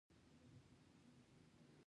هغه سکې په لاسونو کې شرنګولې.